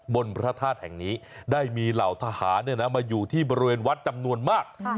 พระธาตุแห่งนี้ได้มีเหล่าทหารมาอยู่ที่บริเวณวัดจำนวนมาก